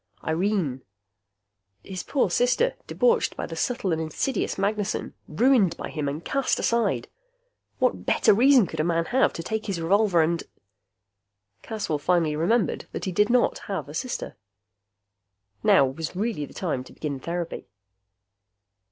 Irene! His poor sister, debauched by the subtle and insidious Magnessen, ruined by him and cast aside. What better reason could a man have to take his revolver and.... Caswell finally remembered that he did not have a sister. Now was really the time to begin therapy.